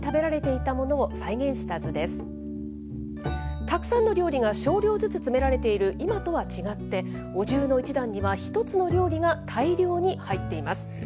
たくさんの料理が少量ずつ詰められている今とは違って、お重の１段には一つの料理が大量に入っています。